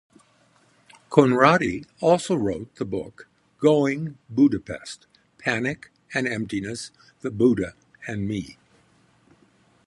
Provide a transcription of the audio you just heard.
Conradi also wrote the book, "Going Buddhist: Panic and Emptiness, the Buddha and Me".